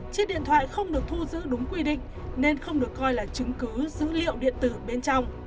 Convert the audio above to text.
chiếc điện thoại không được thu giữ đúng quy định nên không được coi là chứng cứ dữ liệu điện tử bên trong